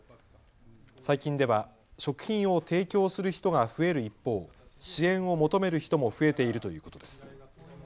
最近では食品を提供する人が増える一方、支援を求める人も増えているということです。